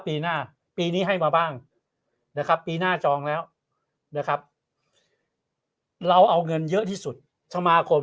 ปีหน้าปีนี้ให้มาบ้างนะครับปีหน้าจองแล้วนะครับเราเอาเงินเยอะที่สุดสมาคม